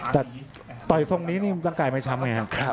แต่ต่อยทรงนี้นี่ร่างกายไม่ช้ำไงครับ